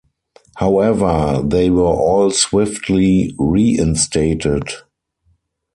However, they were all swiftly reinstated.